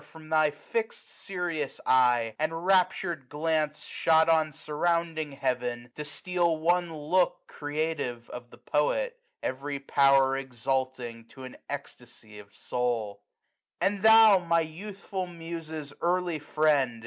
From thy fixM serious eye, and raptur'd glance Shot on surrounding Heaven, to steal one look Creative of the Poet, every power Exalting to an ecstasy of soul. 2q And thou, my youthful Muse's early friend.